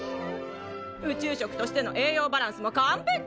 宇宙食としての栄養バランスもかんぺき！